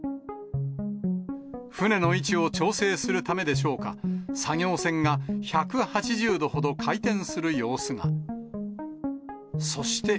船の位置を調整するためでしょうか、作業船が１８０度ほど回転する様子が。